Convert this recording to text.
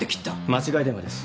間違い電話です。